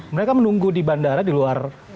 mereka menunggu di bandara di luar